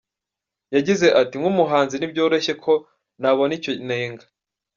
Yagize ati "Nk’umuhanzi ntibyoroshye ko nabona icyo nenga.